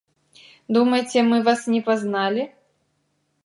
Думаеце, мы вас не пазналі?